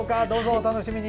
お楽しみに。